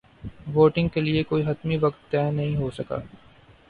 voting کے لیے کوئی حتمی وقت طے نہیں ہو سکا